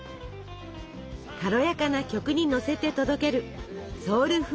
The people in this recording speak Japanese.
軽やかな曲にのせて届けるソウルフードの魅力。